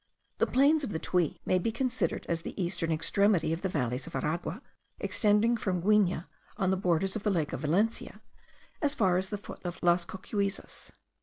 The plains of the Tuy may be considered as the eastern extremity of the valleys of Aragua, extending from Guigne, on the borders of the lake of Valencia, as far as the foot of Las Cocuyzas.